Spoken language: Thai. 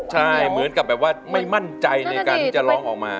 ใช่เหมือนกับแบบว่าไม่มั่นใจในการที่จะร้องออกมา